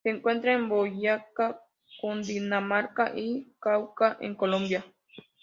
Se encuentra en Boyacá, Cundinamarca y Cauca en Colombia.